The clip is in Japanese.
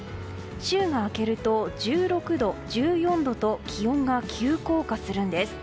週が明けると、１６度、１４度と気温が急降下するんです。